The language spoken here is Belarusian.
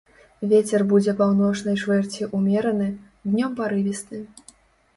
Вецер будзе паўночнай чвэрці ўмераны, днём парывісты.